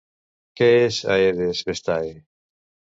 Què és Aedes Vestae?